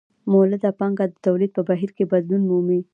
مولده پانګه د تولید په بهیر کې بدلون مومي